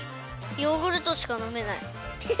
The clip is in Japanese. ヨーグルトしかのめない。